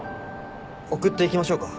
送っていきましょうか？